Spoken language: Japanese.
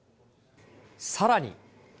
さらに。